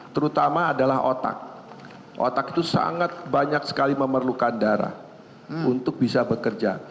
terutama adalah otak otak itu sangat banyak sekali memerlukan darah untuk bisa bekerja